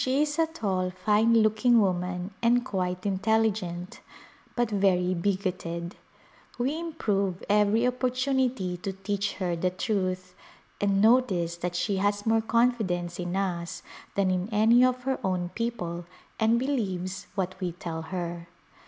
She is a tall, fine looking woman and quite intelligent, but very bigoted. We improve everv opponunity to teach her the truth, and notice that she has more confidence in us than in any of her own people and believes what we tell her.